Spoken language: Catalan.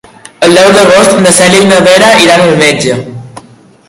El deu d'agost na Cèlia i na Vera iran al metge.